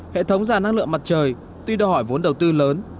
hệ thống giảm năng lượng mặt trời tuy đòi hỏi vốn đầu tư lớn